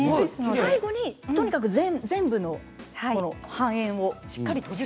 最後にとにかく全部の半円をしっかり閉じる。